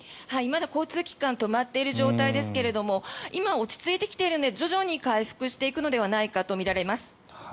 まだ交通機関止まっている状態ですけれども今、落ち着いてきているので徐々に回復していくのではないかとみられます。